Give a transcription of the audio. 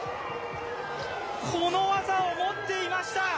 この技を持っていました！